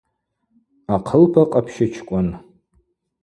Ахъылпа къапщычкӏвын.